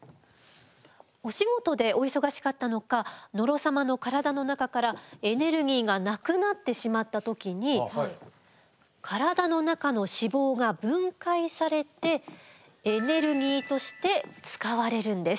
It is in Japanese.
お仕事でお忙しかったのか野呂様の体の中からエネルギーがなくなってしまった時に体の中の脂肪が分解されてエネルギーとして使われるんです。